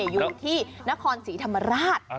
อยู่ที่นครศรีธรรมราช